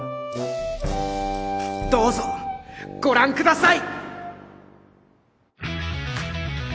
どうぞご覧ください！